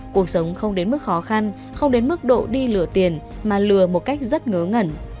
cuộc sống không đến mức khó khăn không đến mức độ đi lửa tiền mà lừa một cách rất ngớ ngẩn